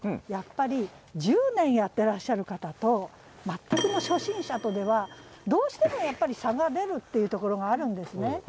やっぱり１０年やってらっしゃる方と全くの初心者とではどうしてもやっぱり差が出るっていうところがあるんですね。